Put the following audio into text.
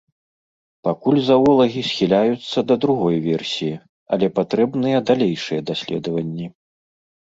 Пакуль заолагі схіляюцца да другой версіі, але патрэбныя далейшыя даследаванні.